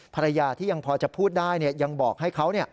ภรรยาที่ยังพอจะพูดได้ยังบอกให้เขา